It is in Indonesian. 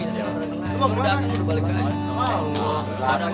kemudian balik aja